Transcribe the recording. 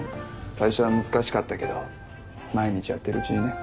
最初は難しかったけど毎日やってるうちにね。